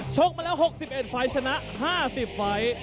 กมาแล้ว๖๑ไฟล์ชนะ๕๐ไฟล์